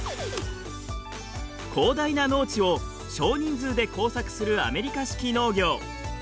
広大な農地を少人数で耕作するアメリカ式農業。